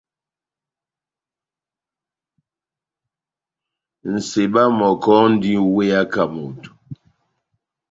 Nʼseba mɔkɔ múndi múweyaka moto.